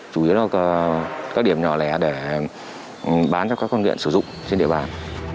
chủ yếu là các điểm nhỏ lẻ để bán cho các con nghiện sử dụng trên địa bàn